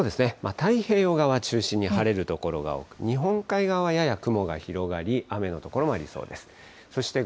太平洋側を中心に晴れる所が多く、日本海側はやや雲が広がり、雨の所もありそうです。